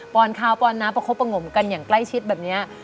ปวนคาวปวนน้ะประคอปประหงมกันอย่างใกล้ชิดแบบนี้